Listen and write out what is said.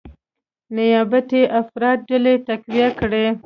نیابتي افراطي ډلې تقویه کړي،